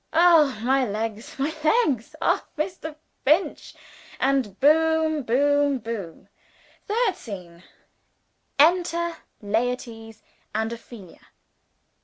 oh, my legs! my legs! all Mr. Finch, and Boom boom boom. Third scene. "Enter Laertes and Ophelia."